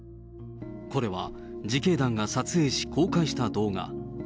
これは自警団が撮影し、公開した動画。